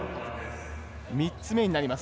３つ目になります。